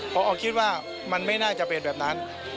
พอคิดว่ามันไม่น่าจะเป็นแบบนั้น